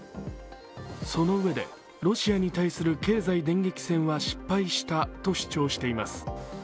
そのうえで、ロシアに対する経済電撃線は失敗したとも語っています。